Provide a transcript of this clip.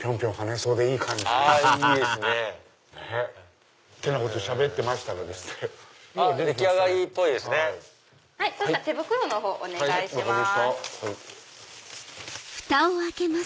そしたら手袋のほうお願いします。